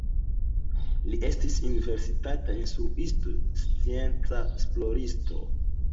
Li estis universitata instruisto, scienca esploristo.